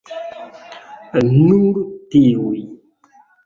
Nur tiuj.